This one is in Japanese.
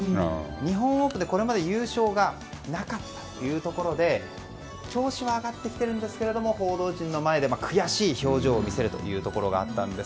日本オープンでこれまで優勝がなかったというところで調子は上がってきているんですが報道陣の前で悔しい表情を見せるというところがあったんです。